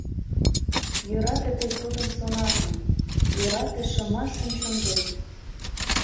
Йӧрате тый тудын сонатым, Йӧрате шыма шӱм-чон ден.